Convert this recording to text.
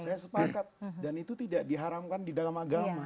saya sepakat dan itu tidak diharamkan di dalam agama